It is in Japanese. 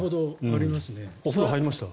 お風呂入りました？